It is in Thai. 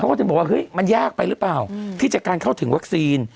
ก็จะบอกว่าเฮ้ยมันยากไปหรือเปล่าที่จะการเข้าถึงวัคซีน